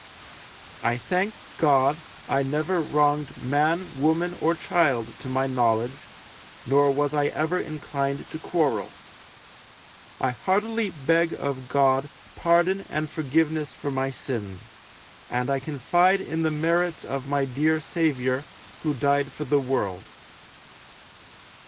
I thank God, I never wronged man, woman, or child, to my knowledge, nor was I ever inclined to quarrel. I heartily beg of God pardon and forgiveness for my sins, and I confide in the merits of my dear Saviour, who died for the World.